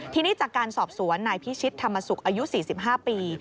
ทีนี้จากการสอบสวนนายพิชิตธรรมสุขอายุ๔๕ปี